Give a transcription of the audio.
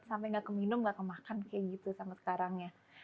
sampai tidak keminum atau tidak kemakan seperti itu sampai sekarang